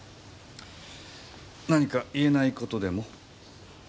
何か言えないことでも？